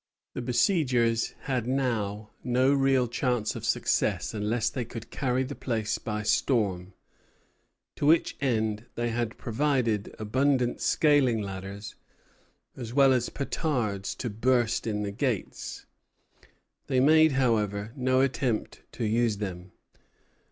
The besiegers had now no real chance of success unless they could carry the place by storm, to which end they had provided abundant scaling ladders as well as petards to burst in the gates. They made, however, no attempt to use them.